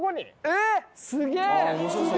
えっすげぇ！